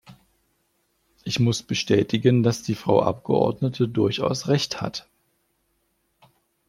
Ich muss bestätigen, dass die Frau Abgeordnete durchaus recht hat.